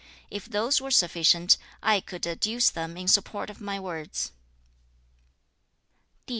If those were sufficient, I could adduce them in support of my words.'